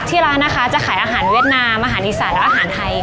ที่ร้านนะคะจะขายอาหารเวียดนามอาหารอีสานและอาหารไทย